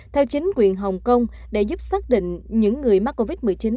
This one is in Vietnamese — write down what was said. theo chính quyền hồng kông để giúp xác định những người mắc covid một mươi chín